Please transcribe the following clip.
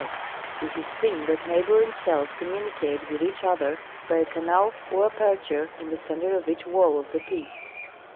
r, it is seen that neighboring cells communi cate with each other by a canal or aperture in the center of each wall of the pit.